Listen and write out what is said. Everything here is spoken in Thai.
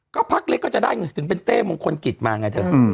ก็พักเล็กก็จะได้ไงถึงเป็นเต้มงคลกิจมาไงเธอ